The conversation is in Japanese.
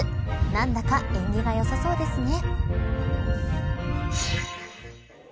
何だか縁起がよさそうですね。